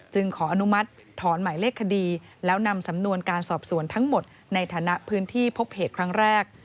ขออนุมัติถอนหมายเลขคดีแล้วนำสำนวนการสอบสวนทั้งหมดในฐานะพื้นที่พบเหตุครั้งแรก